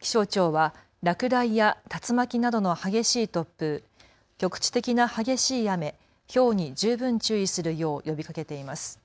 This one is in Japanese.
気象庁は落雷や竜巻などの激しい突風、局地的な激しい雨、ひょうに十分注意するよう呼びかけています。